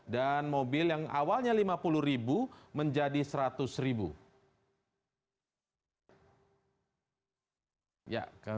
dan mobil yang awalnya rp lima puluh menjadi rp seratus